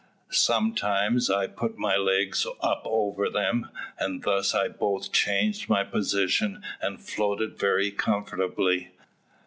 Sometimes I put my legs up over them, and thus I both changed my position and floated very comfortably.